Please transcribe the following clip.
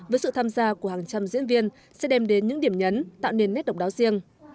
với sự tham gia của hàng trăm diễn viên sẽ đem đến những điểm nhấn tạo nên nét độc đáo riêng